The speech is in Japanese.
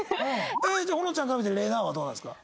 じゃあ保乃ちゃんから見てれなぁはどうなんですか？